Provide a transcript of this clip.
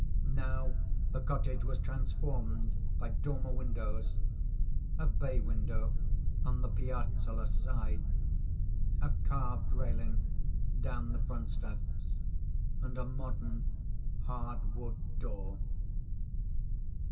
Now the cottage was transformed by dormer windows, a bay window on the piazzaless side, a carved railing down the front steps, and a modern hard wood door.